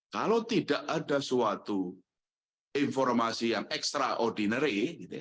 kalau tidak ada suatu informasi yang extraordinary